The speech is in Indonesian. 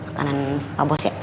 makanan pak bos ya